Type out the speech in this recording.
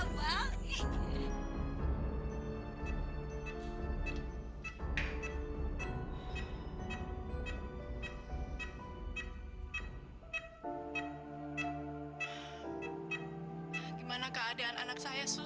bang bang bener ya bang